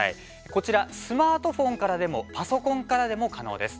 こちら、スマートフォンからでもパソコンからでも可能です。